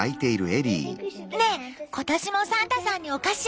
ねえ今年もサンタさんにお菓子を用意する？